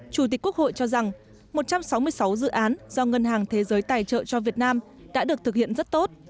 chủ tịch quốc hội cho rằng một trăm sáu mươi sáu dự án do ngân hàng thế giới tài trợ cho việt nam đã được thực hiện rất tốt